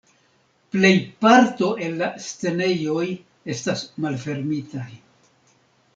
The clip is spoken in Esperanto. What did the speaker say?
Plejparto el la scenejoj estas malfermitaj.